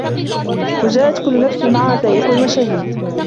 وَجاءَت كُلُّ نَفسٍ مَعَها سائِقٌ وَشَهيدٌ